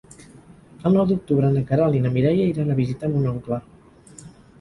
El nou d'octubre na Queralt i na Mireia iran a visitar mon oncle.